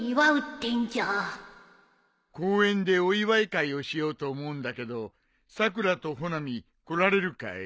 公園でお祝い会をしようと思うんだけどさくらと穂波来られるかい？